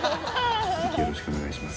よろしくお願いします。